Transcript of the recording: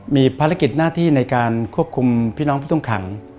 มีภารกิจหน้าที่ในการควบคุมพี่น้องผู้ต้องขัง